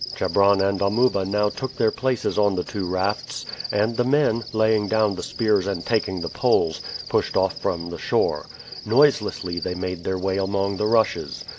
Chebron and Amuba now took their places on the two rafts; and the men, laying down the spears and taking the poles, pushed off from the shore. Noiselessly they made their way among the rushes.